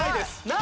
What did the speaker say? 何？